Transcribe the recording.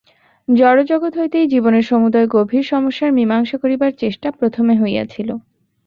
জড়জগৎ হইতেই জীবনের সমুদয় গভীর সমস্যার মীমাংসা করিবার চেষ্টা প্রথমে হইয়াছিল।